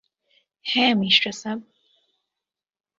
হ্যাঁ, মিশরা সাব।